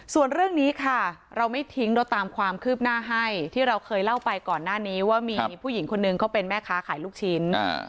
ส่วนเรื่องนี้ค่ะเราไม่ทิ้งเราตามความคืบหน้าให้ที่เราเคยเล่าไปก่อนหน้านี้ว่ามีผู้หญิงคนนึงเขาเป็นแม่ค้าขายลูกชิ้น